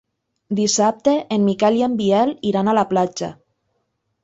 Dissabte en Miquel i en Biel iran a la platja.